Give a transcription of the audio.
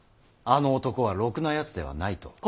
あの男はろくなやつではないと。